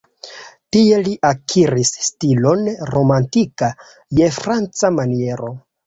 Tie li akiris stilon romantika je franca maniero.